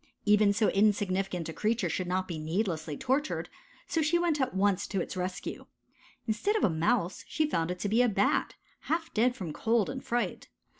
Even so insignificant a creature should not be needlessly tortured, so she went at once to its rescue. Instead of a Mouse she found it to be a Bat, half dead from cold and fright.